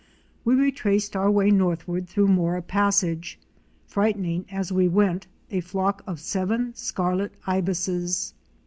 We retraced our way northward through Mora Passage, frightening as we went, a flock of seven Scarlet Ibises.""